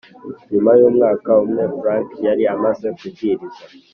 Nyuma y umwaka umwe frank yari amaze kubwiriza